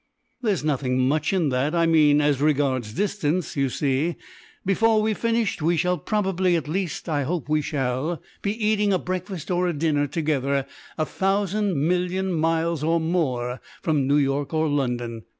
"There's nothing much in that, I mean as regards distance. You see, before we've finished we shall probably, at least I hope we shall, be eating a breakfast or a dinner together a thousand million miles or more from New York or London.